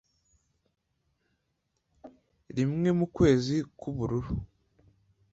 rimwe mukwezi k'ubururu